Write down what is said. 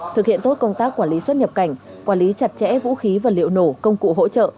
thực hiện tốt công tác quản lý xuất nhập cảnh quản lý chặt chẽ vũ khí vật liệu nổ công cụ hỗ trợ